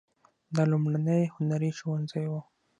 دا لومړنی هنري ښوونځی و.